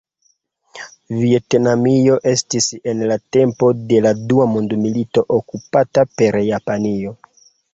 Vjetnamio estis en la tempo de la dua mondmilito okupata per Japanio.